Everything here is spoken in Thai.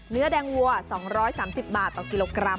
เนื้อแดงวัว๒๓๐บาทต่อกิโลกรัม